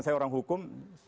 saya orang hukum